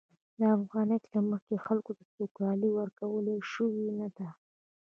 د افغانیت له مخې، خلکو ته سوکالي ورکول شوې نه ده.